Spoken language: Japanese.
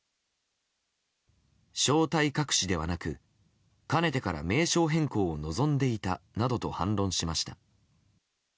正体隠しではなく、かねてから名称変更を望んでいたなどと反論しました。